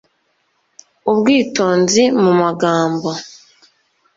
Ubwitonzi mu magambo